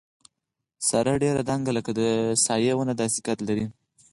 ساره ډېره دنګه لکه د سروې ونه داسې قد لري.